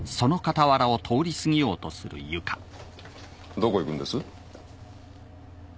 どこへ行くんです？